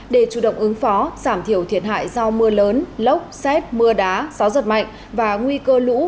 để chủ động ứng phó giảm thiểu thiệt hại do mưa lớn lốc xét mưa đá gió giật mạnh và nguy cơ lũ